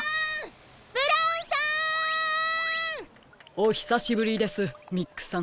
ブラウンさん！おひさしぶりですミックさん。